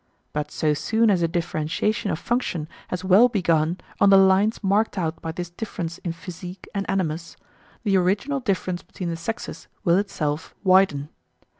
But so soon as a differentiation of function has well begun on the lines marked out by this difference in physique and animus, the original difference between the sexes will itself widen.